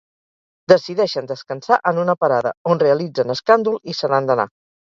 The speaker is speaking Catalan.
Decideixen descansar en una parada, on realitzen escàndol i se n'han d'anar.